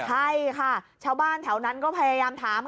ใช่ค่ะชาวบ้านแถวนั้นก็พยายามถาม